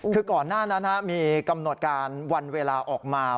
คือก่อนหน้านั้นมีกำหนดการวันเวลาออกมา